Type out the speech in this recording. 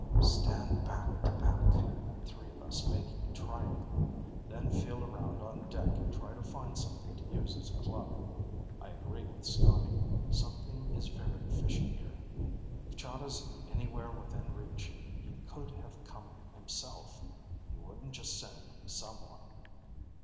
"Stand back to back, the three of us making a triangle. Then feel around on deck and try to find something to use as a club. I agree with Scotty. Something is very fishy here. If Chahda's anywhere within reach, he could have come himself. He wouldn't just send someone."